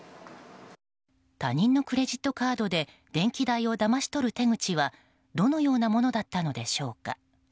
他人のクレジットカードで電気代をだまし取る手口はどのようなものだったのでしょうか。